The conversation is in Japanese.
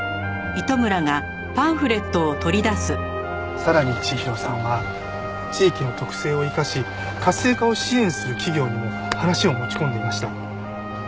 さらに千尋さんは地域の特性を生かし活性化を支援する企業にも話を持ち込んでいました。